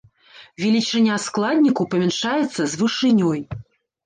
Велічыня складніку памяншаецца з вышынёй.